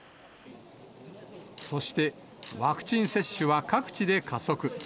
そしてワクチン接種は各地で加速。